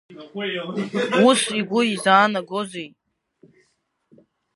Ус игәы изаанагозеи?